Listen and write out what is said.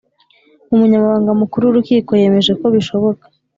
Umunyamabanga mukuru w urukiko yemeje ko bishoboka